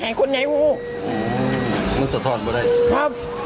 ฟังลูกครับ